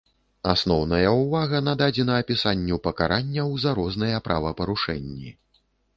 Асноўная ўвага нададзена апісанню пакаранняў за розныя правапарушэнні.